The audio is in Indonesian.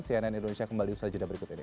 cnn indonesia kembali bersajidah berikut ini